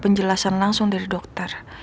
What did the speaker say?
penjelasan langsung dari dokter